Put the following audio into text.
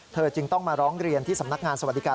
จึงต้องมาร้องเรียนที่สำนักงานสวัสดิการ